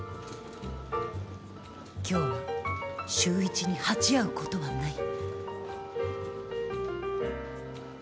今日は秀一に鉢合うことはない。